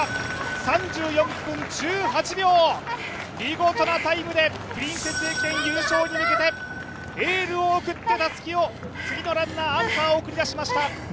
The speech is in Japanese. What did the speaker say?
３４分１８秒、見事なタイムで「プリンセス駅伝」優勝に向けてエールを送ってたすきを次のランナー、アンカーを送り出しました。